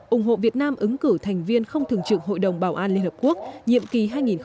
ủng hộ việt nam ứng cử thành viên không thường trực hội đồng bảo an liên hợp quốc nhiệm kỳ hai nghìn hai mươi hai nghìn hai mươi một